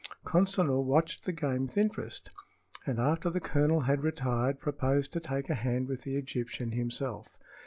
Consinor watched the game with interest, and after the colonel had retired proposed to take a hand with the Egyptian himself.